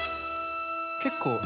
結構。